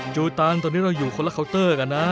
จูตันตอนนี้เราอยู่คนละเคาน์เตอร์กันนะ